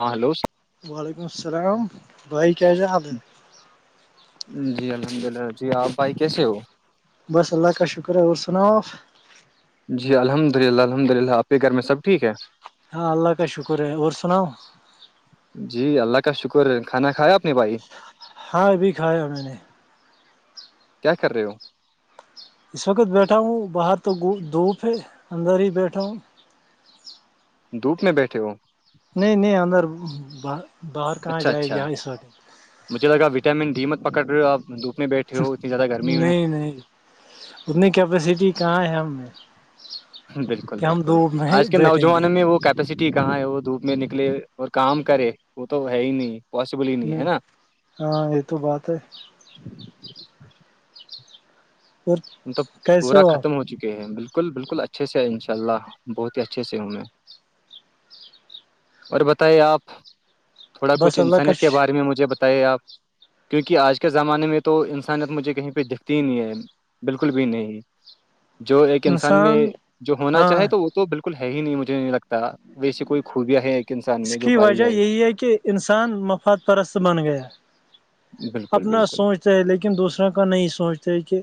ہاں ہلو وعلیکم السلام بھائی کیا ج حال ہے جی الحمد للہ جی آپ بھائی کیسے ہو بس اللہ کا شکرہ اور سنا آپ جی الحمد للہ الحمد للہ آپ کے گھر میں سب ٹھیک ہے ہاں اللہ کا شکر ہے اور سناؤ جی اللہ کا شکر کھانا کھایا آپ نے بھائی ہاں ابھی کھایا میں نے کیا کر رہے ہو اس وقت بیٹھا ہوں باہر تو دھوپ ہے اندر ہی بیٹھا ہوں دھوپ میں بیٹھے ہو نہیں نہیں اندر ب باہر کہاں اچھا جائے ل اچھا وق مجھے لگایٹامن ڈی مت پکڑ رہ ہو آپ دھپ میں بیٹھے ہو اتنی زیادہ گرمی میں نہیں نہیں اتنی کیپیسٹی کہاں ہے ہم نے بالکل بالکل آج کے نوجوانوں میں وہ کیا سٹی کہاں ہے وہ دھوپ میں نکلے اور کام کرے وہ تو ہے ہی نہیں پاسبل ہی نہیں ہے نا ہاں یہ تو بات ہے اور ہم تو کیسے پورا ختم آپ ہو چکے ہیں بالکل بالکل بالکل اچھے سے ہے ان شاء اللہ بت ہی اچھے سے ہوں میں اور بتائیے آپ تھوڑا کچھ بس اللہ کا انسانیت کے ش- بارے میں مجھے بتا آپ کیونکہ آج کے زمانے میں تو انسانیت مجھے کہیں پہ دکھتی ہی نہیں ہے بالکل بھی نہیں جو ایک انسان میں جو ہونا ہاں چاہے تو وہ تو بالکل ہے ہی نہیں مجھے نہیں لگتا ویسی کوئی خوبیاں ہیں اس کی وجہ یہی ہے کہ انسان مفاد پرست بن گیا بالکل اپنا بالکل سوچتے ہے لیکن دوسروں کا نہیں سوچتا ہے کہ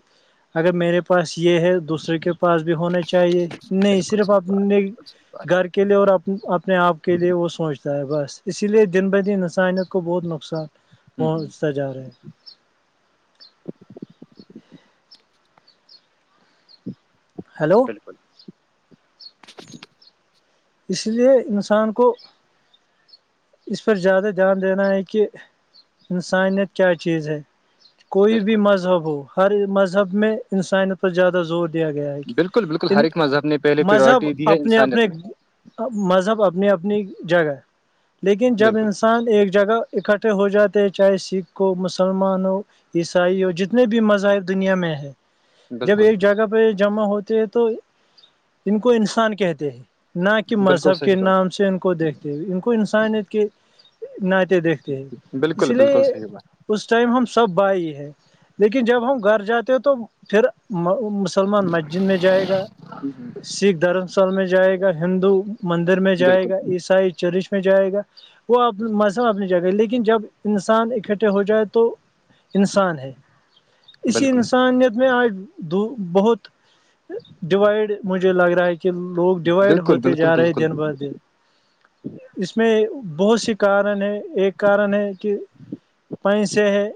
اگر میرے پاس یہ ہے دوسرے کے پاس بھی ہونا چاہیے نہیں بالکل صرف صحیح بات اپنے بالکل صحیح بات گھر کے کے لیے اور اپ اپنے آپ کے لیے وہ سوچتا ہے بس اسی لیے دن بہ دن ہسائنت کو بہت نقصان ہوں ہوں پہنچ س جا رہے ہیں ہیلو بالکل [unintelligible] اس لیے انسان کو اس پر زیادہ دھیان دینا ہے کہ انسانیت کیا چیز ہے کوئی بھی بالکل مذہب ہو ہر مذہب میں انسانیت پر زیادہ زور دیا گیا ہے کہ بالکل بالکل ہر ان ایک مذہب نے پہلے مذہب پریورٹی دی ہے اپنے انسانیت اپنے میں مذہب اپنی اپنی جگہ لیکن جب بالکل انسان ایک جگہ اکٹھے ہو جاتے ہے چاہے سکھ ہو مسلمان ہو عیسائی اور جتنے بھی مذاہب دنیا میں ہے جب بالکل ایک جگہ پہ جمع ہوتے ہے تو ان کو انسان کہتے ہیں نہ کہ بالکل مذہب صحیح کے بات نام سے ان کو دیکتے ہو ان کو ت کے ناطے دیکھتے ہیں اس بالکل بالکل لیے صحیح بات اس ٹائم ہم سب بائی ہے لیکن جب ہم گھر جاتے ہیں تو پھر مسلمان مسجد میں جائے گا ہوں ہوں، سکھ دھرم سال میں جائے گا ہندو مندر میں جائے بالکل گا عیسائی چرچ جائے گا وہ مذہب اپنے جائے گا لیکن جب انسان اکٹھے ہو جائے تو انسان ہے اسی بالکل انسانیت میں آج دو بہت ڈوائڈ مجھے لگ رہا ہے کہ کہ لوگ یوای بالکل وتے جا بالکل رہے یں بالکل دن بہ دن اس میں بہت سی کارن ہیں ایک کارن ہے کہ پینس ہے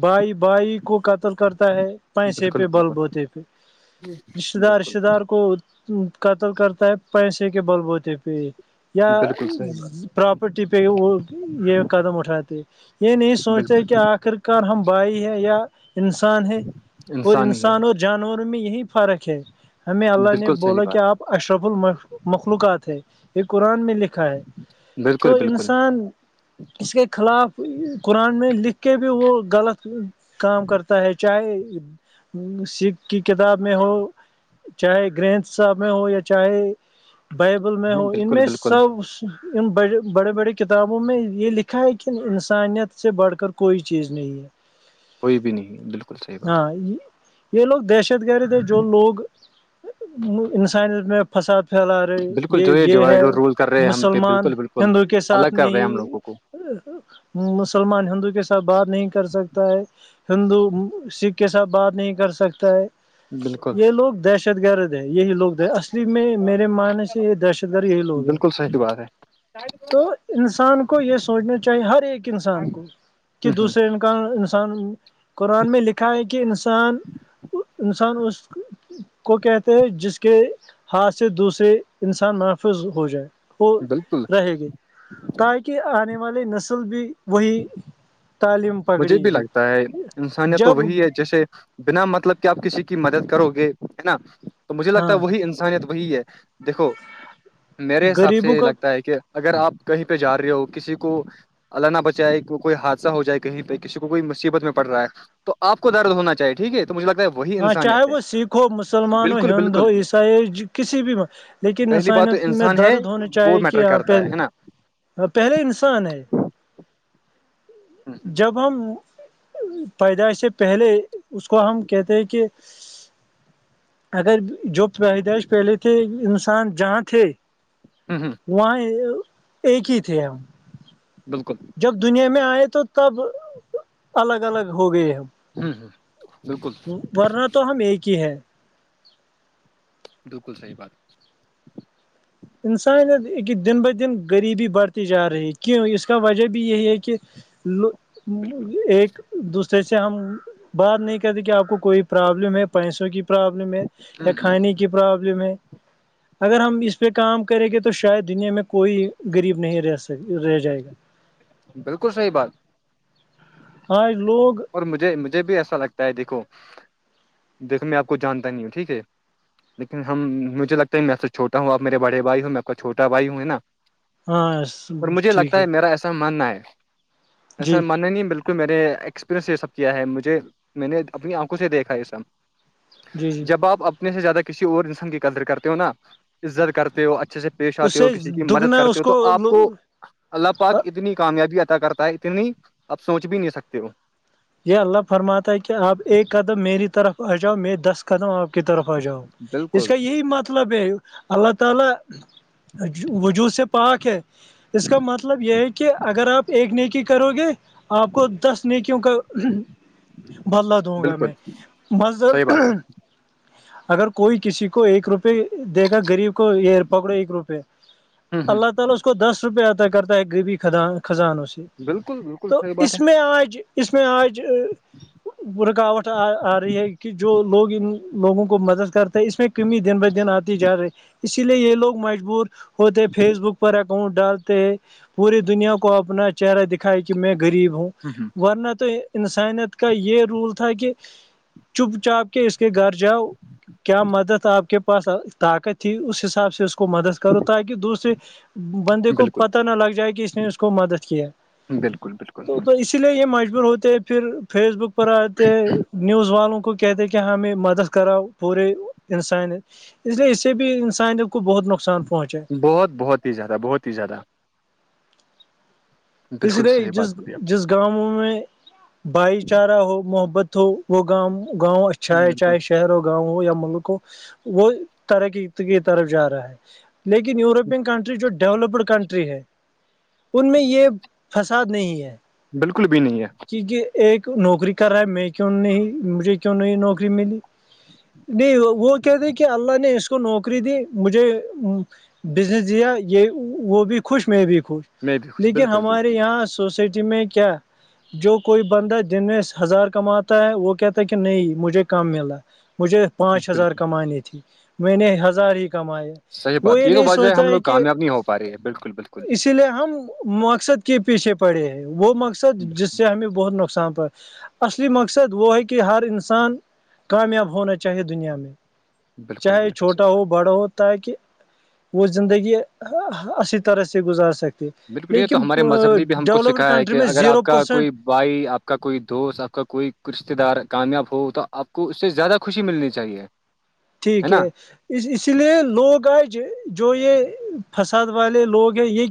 بائی بائی کو قتل کرتا ہے پیسے پہ بالکل بالکل بلب ہوتے پہ رشتے دار بالکل رشتے دار کو قتل کرتا ہے پیسے کے بل بوتے پہ یا بالکل صحیح بات پراپرٹی پہ وہ یہ قدم اٹھاتے یہ نہیں سوچتے بالکل کہ آخر ک ہم بھائی ہیں یا انسان ہے اور انسانی ہے انسان اور جانوروں میں یہی فرق ہے ہمیں اللہ نے بالکل صحیح بولا کہ بات آپ اشرف ال مخلوقات ہیں یہ قرآن میں لکھا ہے تو بالکل بالکل انسان اس کے خلاف قرآن میں لکھ کے بھی وہ غلط کام کرتا ہے چاہے سکھ کی کتاب میں ہو چاہے گرنتھ صاحب میں ہو یا چاہے بائبل میں نہیں، ہو ان بالکل میں بالکل سب ان بڑے بڑے کتابوں میں یہ لکھا ہے کہ انسانیت سے بڑھ کر کوئی چیز نہیں ہے کوئی بھی نہیں بالکل صحیح بات ہاں یہ لوگ دہشت گرد ہے جو لوگ انسانیت فساد پھیلا رہی بالکل یہ جو یہ ہے ڈیوائڈ اور رول کر رہے ہیں ہم پہ مسلمان بالکل بالکل ہندو کے الگ ساتھ کر رہے ہیں ہم نہیں لوگوں کو مسلمان ہندو کے ساتھ بات نہیں کر سکتا ہے ہندو سکھ کے ساتھ بات نہیں کر سکتا ہے بالکل یہ لوگ دہشت گرد ہے یہی لوگ اسلی میں میرے معنی سے یہ دہشت گرد یہی لوگ ہیں س بات ہے [unintelligible] تو انسان کو یہ سوچنا چاہیے ہر ایک ہ انسان کو کہ ہ دوسرے ان انسان قرآن میں لکھا ہے کہ انسان انسان اس کو کہتے ہیں جس کے ہاتھ سے دوسرے انسان محفوظ ہو جائے وہ بالکل رہے گی تاکہ آنے والی نسل بھی وہی تعلیم پکڑے مجھے بھی گی لگتا ہے انسانیت تو جب وہی ہے جیسے بنا مطلب کہ آپ کسی کی مدد کرو گے ہے نا تو مجھے لگتا ہاں ہے وہی ان انیت وہی ہے دیکھو میرے حساب غریبوں سے یہ کا لگتا ہے کہ اگر آپ کہیں پہ جا رہے ہو کسی کو ال نہ بچائے کوئی حادثہ ہو جائے کہیں پہ کسی کوئی مصیبت میں پڑ رہا ہے تو آپ کو درد ہونا چاہے ٹھیک ہے تو مجھ لگتا ہے وہی ہاں چاہے انسانیت ہے وہ سکھ ہو مسلمان ہو بالکل ہند ہو بالکل عیسائی ہو کسی بھی لیکن پہلی بات تو انسانیت میں انسان ہے درد ہونا وہ چاہیے کہ میٹر یہ کرتا پہ ہے نا ہ پہلے انسان ہے جب ہم پیدائش سے پہلے اس کو ہم کہتے ہیں کہ اگر جو پیدائش پہلے تھے انسان جہاں تھے ہوں ہوں وہاں ایک ہی تھے ہم بالکل جب دنیا میں آئے تو تب الگ الگ ہو گئے ہیں ہوں ہ بالکل ورنہ تو ہم ایک ہی ہے بالکل صحیح بات انسانیت کہ دن بہ دن غریبی بڑھتی جا رہی ہے کیوں اس کا وجہ بھی یہی ہے کہ لو بالکل ایک دوسرے سے ہم بات نہیں کرتے کہ آپ کو کوئی پرابلم ہے پیسوں کی پرابلم ہے یا ہوں کھانے کی پرابلم ہے اگر ہم اس اس پہ کام کریں گے تو شاید دنیا میں کوئی غریب نہیں رہ سک رہ جائے گا بالکل صحی بات آج لوگ اور مجھے مجھے بھی ایسا لگتا ہے دیکھو دیکھو میں آپ کو جانتا نہیں ہوں ٹھیک ہے لیکن ہم مھے لگتا ہے میں سے چھوٹا ہوںب میرے بڑے بائیوں میں آ کو چھوٹا بائی ہوں نا ہاں اور مجھے لگتا ہے میرا ایسا ماننا ہے ایسا جی مننا نہیں بالکل میرے ایکسپرینس یہ سب کیا ہے مجھے میں نے اپنی آنکھوں سے دیکھا یہ سب جی جی جب آپ سے زیادہ کسی اور انسان کی قدر کرتے ہو نا عزت کرتے ہو اچھے سے پیش اس آتے ہو سے کسی کی مدد دگنا کرتے اس ہو تو آپ کو اللہ پاک اتنی کامیابی عطا کرتا ہے اتنی آپ سوچ بھی نہیں سکتے ہو یہ اللہ فرماتا ہے کہ آپ ایک قدم میری طرف آ جاؤ میں دس قدم آپ کی طرف آ جاؤ اس بالکل کا یہی مت مطلبب اللہ تعالی وجوہ سے پاک ہے اس کا مطلب یہ ہے کہ اگر آپ ایک نیکی کرو گے آپ کو دس نیکیوں کا بدلا دوں گا بالکل میں مض صحیح بات [unintelligible] اگر کوئی کسی کو ایک روپئے دے گا گغریب کو یہ پکڑو ایک روپئے [unintelligible] ہے ہ ہ بالکل [unintelligible] بالکل تو صحیح اس بات ہے میں آج اس میں آج رکاوٹ آ رہی ہے کہ جو لوگ ان لوگوں کو مدد کرتے اس میں کمی دن ب دن آتی جا رہی ہے اسی لیے یہ لوگ مجبور ہوتے ہیں فیس بک پر اگر ڈالتے ہے پوری دنیا کو اپنا چہرہ دکھا ہے کہ میں غریب ہوں ہوں ہوں ورنہ تو انسانیت کا یہ رول تھا کہ چپ چاپ کے اس کے گھر جاؤ کیا مدد آپ کے پاس طاقت تھی اس حساب سے اس کو مدد کرو تاکہ دوسریے بندے کو بالکل پت نہ لگ جائے کہ اس نے اس کو مدد کیا بالکل بالکل تو تو اس اس لیے یہ مجبور ہوتے ہے پھر فیس بک پر آتے ہیں نیوز والوں کو کہتے کہ ہمیں مدد کراؤ پورے انسان اس لیے اس سے بھی انسانیوں کو بہت نقصان پہنچا ہے بہت بہت ہی زیادہ بہت ہی زیادہ اس بالکل لیے صحیح بات جس بولی جس [inaudible] گاؤوں میں بھائی چارہ ہو محبت ہو وہ گاؤ گاؤں آپ چاہے بالکل چاہے شہر ہو گاؤں ہو یا ملک ہو وہ ترقی کی طرف جا رہا ہے لیکن یوروپین کنٹری جو ڈیولپڈ کنٹری ہے ان میں یہ فساد نہیں ہے بالکل بھی نہیں ہے کیونکہ ایک نوکری کر رہا ہے میں کیوں نہیں مجھے کیوں نہیں نوکری ملی نہیں وہ کہتےے کہ اللہ نے اس کو نوکری دی مجھے بزنس دیا یہ وہ بھی خوش میں بھی خوش میں بھی خوش لیکن بالکل بالکل ہمارے یہاں سوسائٹی میں کیا [inaudible] جو کوئی بندہ دن میں ہزار کماتا ہے وہ کہتا ہے کہ نہیں مجھے کم ملا مجھے پانچ ہزار بالکل کمانی تھی میں نے ہزار ہی کماائے صحیح بات یہ تو وجہ ہے ہم لوگ کامیاب نہیں ہو پا رہے ہے بالکل بالکل اس لیے ہم مقصد کے پیچھے پڑے ہیں وہ مقصد بالکل جس میں بہت نقصان پر اصلی مقصد وہ ہے کہ ہر انسان کامیاب ہونا چاہیے دنیا میں بالکل چاہے بالکل چھوٹا صحیح بات ہو بڑا ہو تاکہ وہ زندگی اھی طرح سے گزار سکتی [unintelligible] بالکل یہ تو ہمارے مذہب نے بھی ہم کو سکھایا ہے کنٹری کہ میں اگر زیرو آپ کا پرسینٹ کوئی بھائی آپ کا کوئی دوست آپ کا کوئی رشتے دار کامیاب ہو تو آپ کو اس سے زیادہ خوشی ملنی چاہیے ٹھیک ہے اس اسی لیے لوگ آج جو یہ فساد والے لوگ ہیں یہ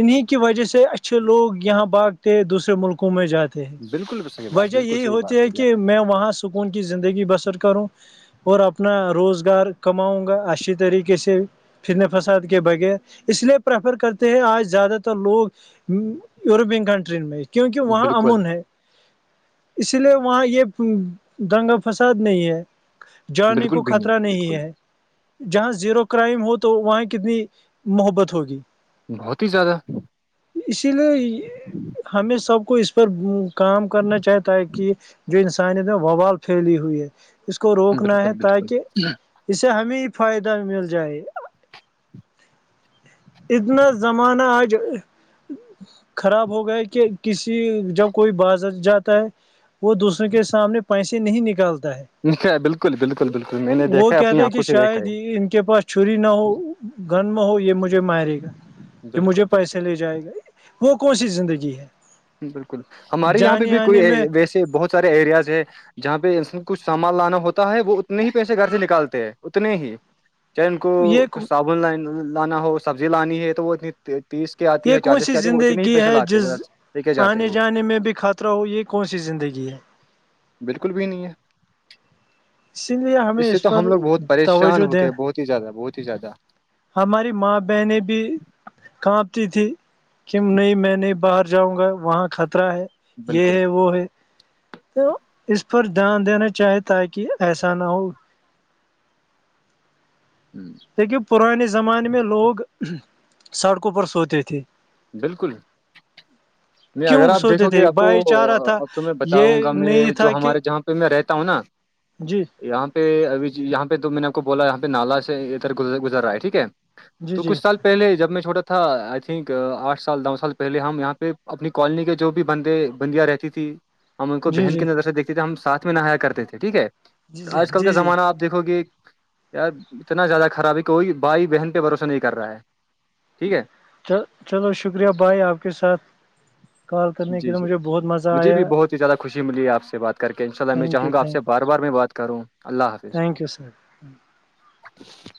انہی کی وجہ سے اچھے لوگ یہاں باگتے دوسرے ملکوں میں جاتے بالکل صحیح بات وجہ بالکل یہی صحیح بات ہوتی ہے بولی کہ آپ میں وہاں سے سکون کی زندگی بسر کروں اور اب اپنا روزگار کماؤں گا اچھی طریقے سے پھرن فساد کے بغیر اس لیے پریفر کرتے ہیں آج زیادہ تر لوگ یوروپین کنٹری میں کیونکہ نے وہاں بالکل امن ہے اس لیے وہاں یہ دنگہ فساد نہیں ہے [unintelligible] جانے بالکل کو بھی نہیں خطرہ ہے بالکل جہاں زیرو کرائم ہو تو وہاں کتنی محبت ہوگی بہت ہی زیادہ اسی لیے ہمیں سب کو اس پر کام کرنا چاہتا ہے کہ جو انسانیت میں ووال پھیلی ہوئی ہے اس کو روکنا ہے بالکل بالکل تاکہ اسے ہمیں ہی فائدہ مل جائے اتنا زمانہ آج خراب ہو گیا کہ کسی جب کوئی بازر جاتا ہے وہ دوسروں کے سامنے پیسے نہیں نکالتا ہے بالکل بالکل بالکل میں نے وہ دیکھا اپنی کہتے ہے کہ آنکھوں سے دیکھا شاید ہے یہ ان کے پاس چھری نہ ہو گن نہ ہو یہ مجھے مارے گا کہ مجھے بالکل بالکل پیسے لے جائے گا وہ کون سی زندگی ہے بالکل ہمارے یہاں پہ جانے بھی کوئی آنے میں ویسے بہت سارے ایریاز ہے [unintelligible] جہاں پہ انس کچھ سامان لانا ہوتا ہے وہ اتنے ہی پیسے گھر سے نکالتے ہیں اتنے ہی چاہے ان کو یہ کچھ صابن ل لانا ہو سبزی لانی ہے تو وہ اتنی تیس [unintelligible] آتی یہ ہے کون چالیس سی کے آتی ہے وہ اتنے ہی زندگی پیے ہے لاتے ہیں جس بس لے کے جاتے ہیں، آنے وہ جانے میں بھی خطرہ ہو یہ کون سی زندگی ہے بالکل بھی نہیں ہے اسی لیے ہمیں اس سے تو پر ہم لوگ بہت پریشان توجہ ہو کے دین ہیں بہت ہی زیادہ بہت ہی زیادہ ہماری ماں بہنیں بھی کانپتی تھھی کی نہیں میں نہیں باہر جاؤں گا وہاں خطرہ ہے یہ بالکل ہے وہ ہے تو اس پر دھیان دینا چاہے تاکہ ایسا نہ ہو ہوں، دیکھین پرانے زمانے میں لوگ سڑکوں پر سوتے تھے بالکل میں اگر کیوں آپ سوتے دیکھو گے تھے آپ کو بھائی چارہ تھا آپ کو میں بتاؤں گا یہ میں نہیں جو تھا کہ ہمارے جہاں تو میں رہتا ہوں نا جی یہاں پہ ابھیی یہاں پہ تو میں نے آپ کو بولا ہے یہاں پہ نالا سے ادھرز گزر رہا ہے ٹھیک ہے جی تو جی کچھ سال پہلے جب میں چھوٹا تھا آئی تھنک آٹھ سال دوو سال پہلے ہم یہاں پہ اپنی کالونی کے جو بھی بندے بندیاں رہتی تھی ہم ان کو جی جی بہن کی نظر سے دیکھتے تھے ہم ساتھ میں نہایا کرتے تھے ٹھیک ہے جی جی آج کل کا جی جی زمانہ اب دیکھو گے یار اتنا زیادہ خراب ہے کوئی بھائی بہن پہ بھروسہ نہیں کر رہا ہے ٹھیک ہے چ چلو شکریہ بائی آپ کے ساتھ کال کرنے جی کے جی مجھے بہت مزہ مجھے آیا بھی بہت ہی زیادہ خوشی ملی آپ سے بات کر کے ان شاءلہ میں تھینک یو چاہوں گا آپ سے تھینک بار بار میں بات کروں اللہ حافظ تھینک یو سر [unintelligible]